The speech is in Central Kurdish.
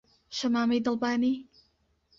شەمامەی دڵبانی